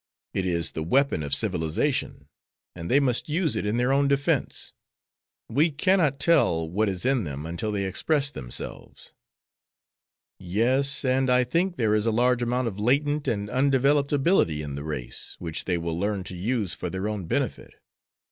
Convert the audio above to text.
It is the weapon of civilization, and they must use it in their own defense. We cannot tell what is in them until they express themselves." "Yes, and I think there is a large amount of latent and undeveloped ability in the race, which they will learn to use for their own benefit.